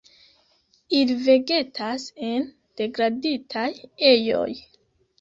Ili vegetas en degraditaj ejoj.